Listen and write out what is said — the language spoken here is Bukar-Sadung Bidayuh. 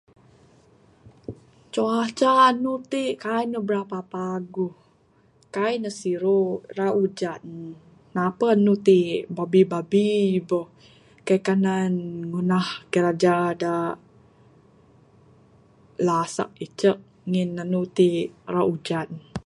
Cuaca anu ti kaik ne brapa paguh kaik ne siru ra ujan napeh anu ti babbi babbi boh. Kaik kanan ngunah kiraja da lasak icek ngin anu ti ra ujan.